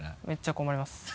めっちゃ困ります。